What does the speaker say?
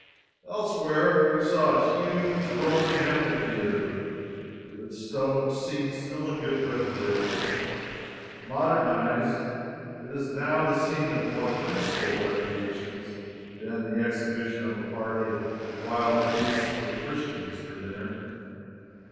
Elsewhere we saw a huge Roman amphitheatre, with its stone seats still in good preservation. Modernized, it is now the scene of more peaceful recreations than the exhibition of a party of wild beasts with Christians for dinner.